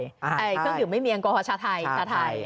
เครื่องดื่มไม่มีอังกษาไทย